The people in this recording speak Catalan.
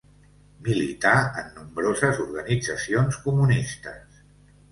Milità en nombroses organitzacions comunistes.